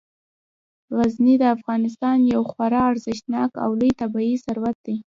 غزني د افغانستان یو خورا ارزښتناک او لوی طبعي ثروت دی.